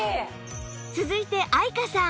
続いて愛華さん